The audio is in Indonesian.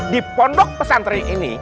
di pondok pesantri ini